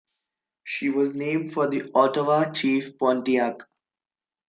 She was named for the Ottawa chief, Pontiac.